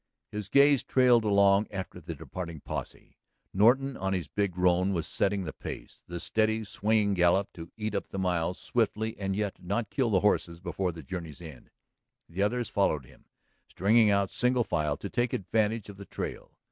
His gaze trailed along after the departing posse. Norton on his big roan was setting the pace, the steady swinging gallop to eat up the miles swiftly and yet not kill the horses before the journey's end. The others followed him, stringing out single file to take advantage of the trail.